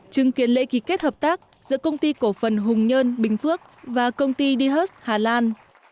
chứng kiến lễ ký kết hợp tác giữa công ty cổ phần hùng nhơn bình phước và công ty des hà lan